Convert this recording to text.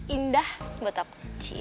indah buat aku